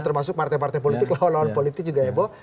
termasuk partai partai politik lawan lawan politik juga heboh